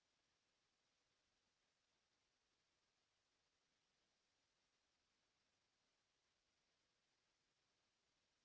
โปรดติดตามต่อไป